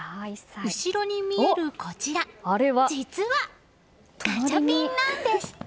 後ろに見えるこちら、実はガチャピンなんです！